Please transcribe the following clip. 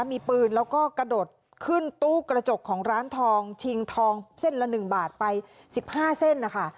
มีปืนแล้วก็กระโดดขึ้นตู้กระจกของร้านทองชิงทองเส้นละ๑บาทไป๑๕เส้นนะคะ